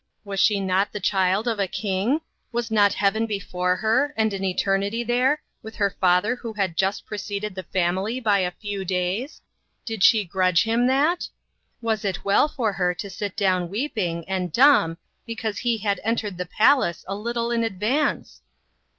was she not the child of a King? was not heaven before her, and an 224 INTERRUPTED. eternity there, with her father who had just preceded the family by a few days? Did she grudge him that? Was it well for her to sit down weeping, and dumb, because he had entered the palace a little in advance